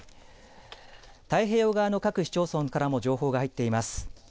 太平洋側の各市町村からも情報が入っています。